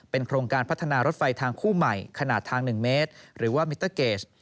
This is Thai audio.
โครงการพัฒนารถไฟทางคู่ใหม่ขนาดทาง๑เมตรหรือว่ามิเตอร์เกส